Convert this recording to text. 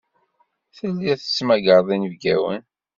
Tellid tettmagared inebgawen.